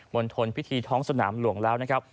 ณฑลพิธีท้องสนามหลวงแล้วนะครับ